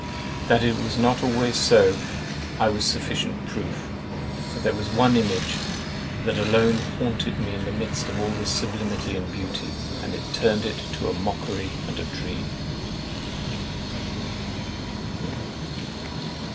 That it was not always so, I was a sufficient proof; for there was one image that alone haunted me in the midst of all this sublimity and beauty, and turned it to a mockery and a dream!